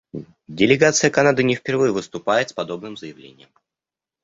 Делегация Канады не впервые выступает с подобным заявлением.